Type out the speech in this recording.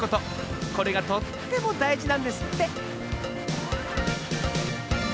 これがとってもだいじなんですって！